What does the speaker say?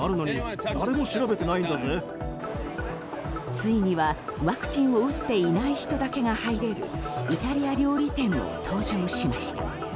ついにはワクチンを打っていない人だけが入れるイタリア料理店も登場しました。